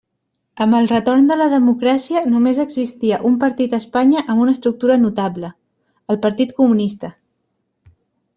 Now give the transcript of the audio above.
Amb el retorn de la democràcia, només existia un partit a Espanya amb una estructura notable: el Partit Comunista.